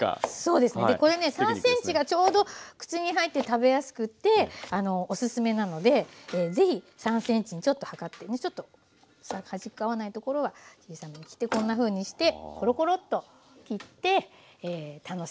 でこれね３ｃｍがちょうど口に入って食べやすくておすすめなので是非３ｃｍにちょっと測ってちょっと端っこ合わないところは小さめに切ってこんなふうにしてコロコロと切って楽しんで下さい。